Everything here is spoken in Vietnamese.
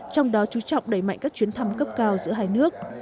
trong đó chú trọng đẩy mạnh các chuyến thăm cấp cao giữa hai nước